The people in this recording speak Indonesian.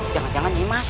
jangan jangan nyi mas